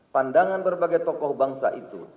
pandangan berbagai tokoh bangsa itu